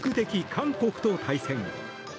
・韓国と対戦。